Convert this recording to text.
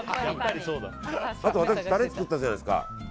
あと、タレ作ったじゃないですか。